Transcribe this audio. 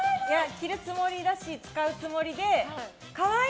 着るつもりだし使うつもりで可愛い！